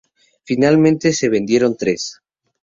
Finalmente se vendieron tres.